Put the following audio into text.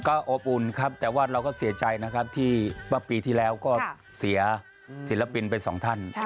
ก็บับฺิดเหมือนเดิมแต่ว่าเราก็เสียใจนะครับที่ป่าวปีที่แล้วก็เสียศิลปินไปสองท่าน